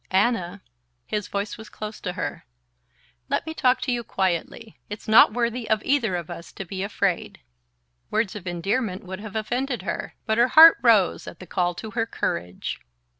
"Anna " His voice was close to her. "Let me talk to you quietly. It's not worthy of either of us to be afraid." Words of endearment would have offended her; but her heart rose at the call to her courage.